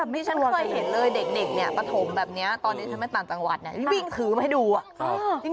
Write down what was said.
ที่ฉันเคยเห็นเลยเด็กเนี่ยปฐมแบบนี้ตอนที่ฉันไปต่างจังหวัดเนี่ยวิ่งคือมาให้ดู